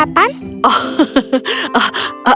apakah aku bisa membawa joey untuk sarapan